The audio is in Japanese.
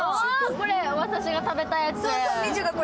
これ、私が食べたやつ。